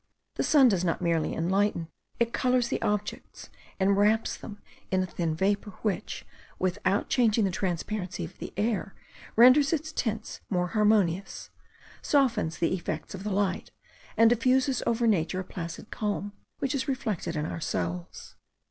The sun does not merely enlighten, it colours the objects, and wraps them in a thin vapour, which, without changing the transparency of the air, renders its tints more harmonious, softens the effects of the light, and diffuses over nature a placid calm, which is reflected in our souls.